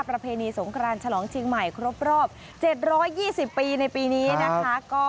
ประเพณีสงครานฉลองเชียงใหม่ครบรอบ๗๒๐ปีในปีนี้นะคะ